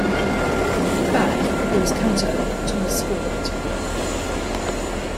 Bach, who was cantor at the Thomas school at the time.